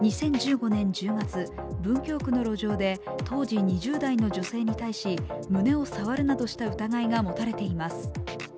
２０１５年１０月文京区の路上で当時２０代の女性に対し、胸を触るなどした疑いが持たれています。